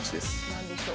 何でしょう？